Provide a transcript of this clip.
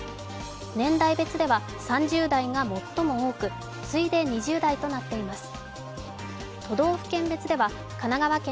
年代別では３０代が最も多く次いで２０代となっています。